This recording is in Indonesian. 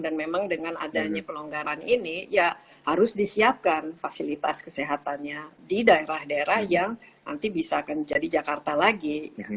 dan memang dengan adanya pelonggaran ini ya harus disiapkan fasilitas kesehatannya di daerah daerah yang nanti bisa akan jadi jakarta lagi